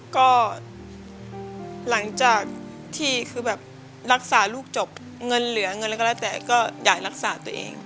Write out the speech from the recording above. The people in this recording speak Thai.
ก็หลังจากที่คือแบบรักษาลูกจบเงินเหลือเงินอะไรก็แล้วแต่ก็อยากรักษาตัวเอง